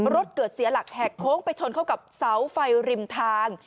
รถเกิดเสียหลักแหกโค้งไปชนเข้ากับเสาไฟริมทาง